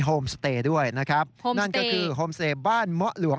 โฮมสเตย์ด้วยนะครับนั่นก็คือโฮมสเตย์บ้านเมาะหลวง